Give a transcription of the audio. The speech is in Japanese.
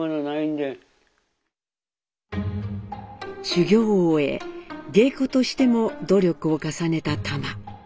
修業を終え芸妓としても努力を重ねたタマ。